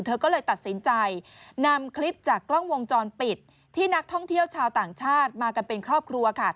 เธอก็เลยตัดสินใจนำคลิปจากกล้องวงจรปิดที่นักท่องเที่ยวชาวต่างชาติมากันเป็นครอบครัวค่ะ